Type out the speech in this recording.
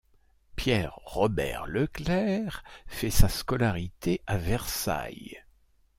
Pierre-Robert Leclercq fait sa scolarité à Versailles.